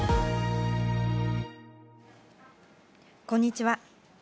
こんにちは。